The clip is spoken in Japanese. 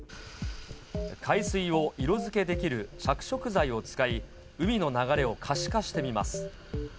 海水を色づけできる着色剤を使い、海の流れを可視化してみます。